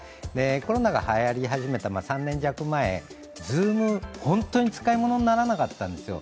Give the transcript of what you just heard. コロナがはやり始めた３年弱前、Ｚｏｏｍは本当に使い物にならなかったんですよ。